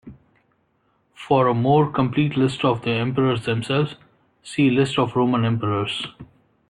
For a more complete list of the Emperors themselves, see List of Roman Emperors.